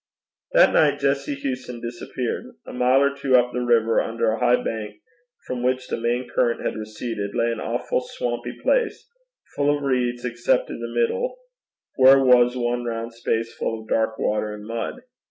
That night Jessie Hewson disappeared. A mile or two up the river under a high bank, from which the main current had receded, lay an awful, swampy place full of reeds, except in the middle where was one round space full of dark water and mud.